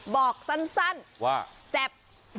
บอกสั้นว่าแซ่บ